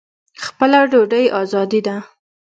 خپله ډوډۍ ازادي ده.